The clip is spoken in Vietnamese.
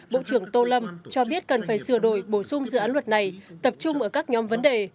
bộ trưởng tô lâm cho biết cần phải sửa đổi bổ sung dự án luật này tập trung ở các nhóm vấn đề